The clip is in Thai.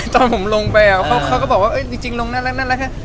ตอนผมลงไปเขาก็ตัวแบบเท่ากัน